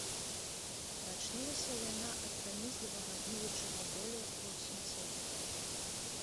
Прачнулася яна ад пранізлівага ныючага болю ва ўсім целе.